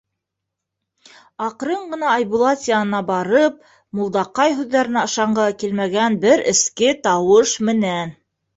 Аҡрын ғына Айбулат янына барып, Мулдаҡай һүҙҙәренә ышанғыһы килмәгән бер эске тауыш менән: